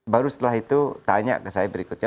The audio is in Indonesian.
baru setelah itu tanya ke saya berikutnya